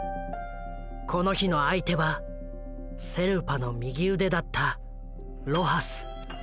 この日の相手はセルパの右腕だったロハス。